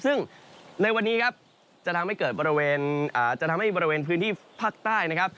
ซึ่งในวันนี้ครับจะทำให้เกิดบริเวณอาจจะทำให้บริเวณพื้นที่ภาคใต้นะครับ